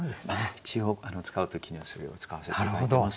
一応使う時にはそれを使わせて頂いてます。